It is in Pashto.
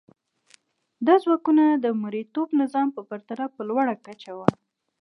دا ځواکونه د مرئیتوب نظام په پرتله په لوړه کچه وو.